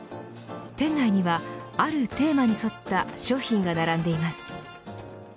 店内には、あるテーマに沿った商品が並んでいます。